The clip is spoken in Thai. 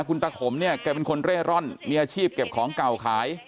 คุณตาขมเนี่ยแกเป็นคนเร่ร่อนมีอาชีพเก็บของเก่าขาย